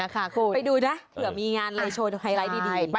ไปดูด๊ะเผื่อมีงานไฮไลท์ดี